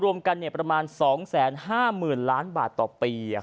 รวมกันประมาณ๒๕๐๐๐ล้านบาทต่อปี